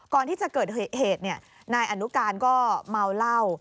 ก่อนที่จะเกิดเหตุนายอนุการก็เมาเหล้า